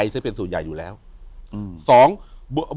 อยู่ที่แม่ศรีวิรัยิลครับ